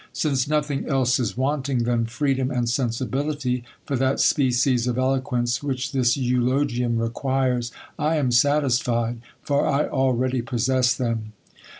Since nothing else is wanting than freedom, and sensibility, for that species of eloquence which this eulogiunr requires, I am satis fied ; for I already possess them.